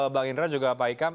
bang indra juga pak hikam